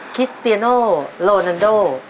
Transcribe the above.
คิสเตียโนโลนันโด